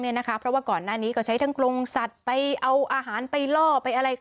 เพราะว่าก่อนหน้านี้ก็ใช้ทั้งกรงสัตว์ไปเอาอาหารไปล่อไปอะไร